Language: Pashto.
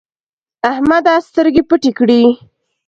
احمده سترګې پټې کړې.